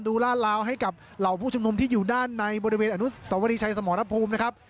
ลาดลาวให้กับเหล่าผู้ชุมนุมที่อยู่ด้านในบริเวณอนุสวรีชัยสมรภูมินะครับ